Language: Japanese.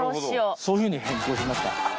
そういうふうに変更しました。